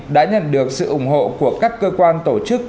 đã nhận được sự ủng hộ của các cơ quan tổ chức